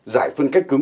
giải phân cách cứng